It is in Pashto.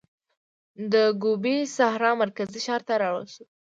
د ګوبي سحرا مرکزي ښار ته راوړل شو.